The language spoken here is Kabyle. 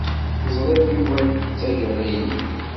Teẓriḍ Yuba tagara-yi?